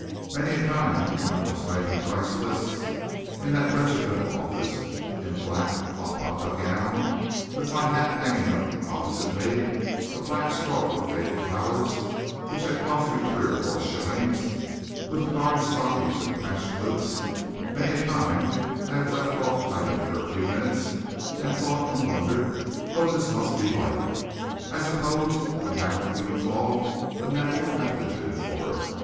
Many a time when I was typing price lists in that wretched little office, in a black alpaca gown, with my hat hanging up opposite me, a black straw with faded flowers, which had cost me three or four shillings, with darned stockings and patched boots, many a time I have left off typing for a few minutes, and thought and wondered what this must be like. I suppose I have what you would call a natural aptitude for it.